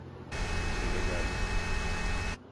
Eve geldim.